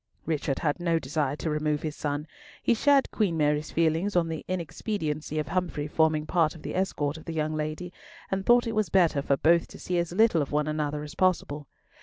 Richard had no desire to remove his son. He shared Queen Mary's feelings on the inexpediency of Humfrey forming part of the escort of the young lady, and thought it was better for both to see as little of one another as possible.